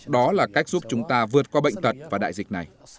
đó là cách giúp chúng ta vượt qua bệnh tật và đại dịch này